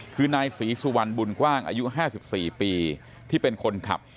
คือนายศรีสุวรรณบุญกว้างอายุ๕๔ปีที่เป็นคนขับ